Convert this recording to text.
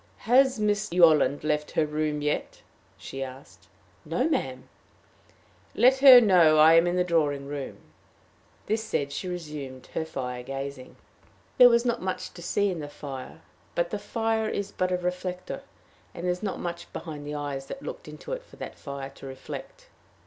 "Has Miss Yolland left her room yet?" she asked. "No, ma'am." "Let her know I am in the drawing room." This said, she resumed her fire gazing. There was not much to see in the fire, for the fire is but a reflector, and there was not much behind the eyes that looked into it for that fire to reflect.